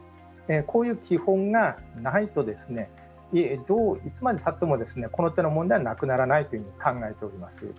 こういう基本がないといつまでたってもこの手の問題はなくならないというふうに考えております。